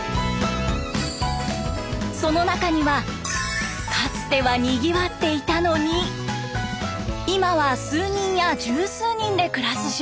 その中にはかつてはにぎわっていたのに今は数人や十数人で暮らす島も。